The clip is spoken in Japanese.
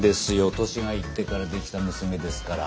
年がいってからできた娘ですから。